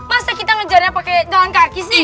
masa kita ngejarnya pakai jalan kaki sih